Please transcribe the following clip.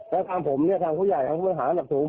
แล้วตามผมทางผู้ใหญ่ทางผู้มันหาอันดับสูง